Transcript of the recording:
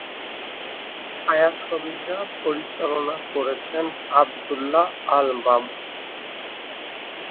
ছায়াছবিটি পরিচালনা করেছেন আবদুল্লাহ আল মামুন।